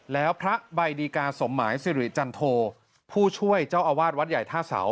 แล้วพระใบดีกาสมหมายสิริจันโทผู้ช่วยเจ้าอาวาสวัดใหญ่ท่าเสา